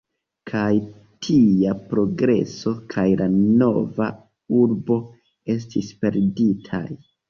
Kaj tia progreso kaj la nova urbo estis perditaj.